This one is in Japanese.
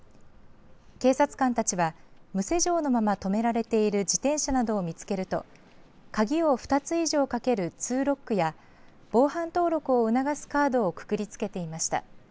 警察官たちは無施錠のまま止められている自転車などを見つけると鍵を２つ以上かけるツーロックや防犯登録を促すカードをくくりつけていました。